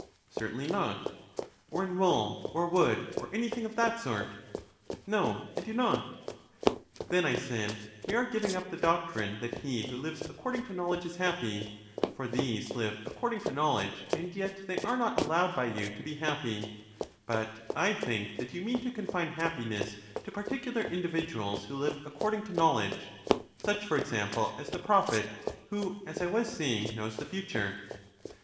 Certainly not. Or in wool, or wood, or anything of that sort? No, I do not. Then, I said, we are giving up the doctrine that he who lives according to knowledge is happy, for these live according to knowledge, and yet they are not al lowed by you to be happy; but I think that you mean to confine happiness to particular individuals who live according to knowledge, such for example as the prophet, who, as I was saying, knows the future.